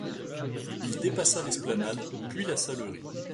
Il dépassa l’Esplanade, puis la Salerie.